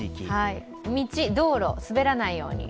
道、道路、滑らないように。